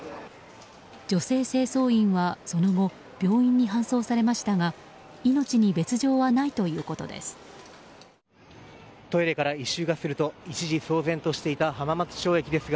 女性清掃員は、その後病院に搬送されましたが命に別条はないということです。